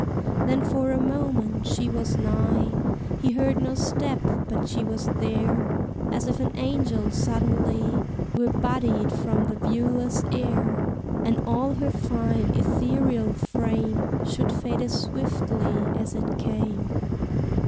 Then for a moment she was nigh, He heard no step, but she was there; As if an angel suddenly Were bodied from the viewless air, And all her fine ethereal frame Should fade as swiftly as it came.